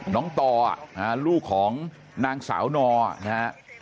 น้องต่อลูกของนางสาวนอนะฮะ